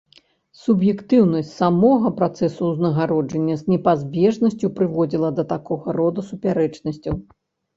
Суб'ектыўнасць самога працэсу ўзнагароджання з непазбежнасцю прыводзіла да такога роду супярэчнасцяў.